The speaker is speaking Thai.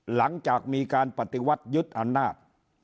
หลังจากมีการปฏิวัติยึดอำนาจ